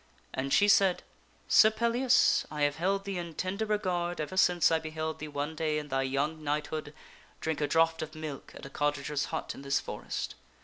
And she said, "Sir Pellias, I have held thee in tender regard ever since I beheld thee one day in thy young knighthood drink a draught of milk at a cottager's hut in this forest.